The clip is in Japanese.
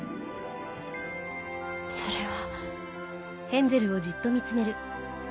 それは。